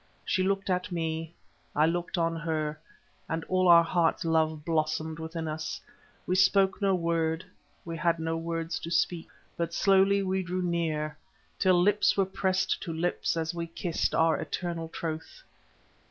She looked at me, I looked on her, and all our hearts' love blossomed within us. We spoke no word—we had no words to speak, but slowly we drew near, till lips were pressed to lips as we kissed our eternal troth.